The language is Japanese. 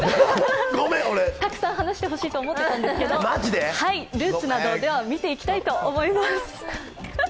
たくさん話してほしいと思ってたんですけどルーツなど、見ていきたいと思います。